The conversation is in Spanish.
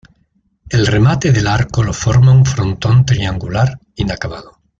El remate del arco lo forma un frontón triangular inacabado.